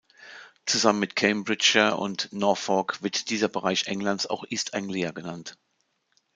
Zusammen mit Cambridgeshire und Norfolk wird dieser Bereich Englands auch East Anglia genannt.